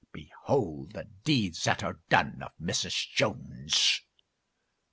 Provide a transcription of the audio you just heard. Behold the deeds that are done of Mrs. Jones!